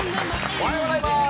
おはようございます。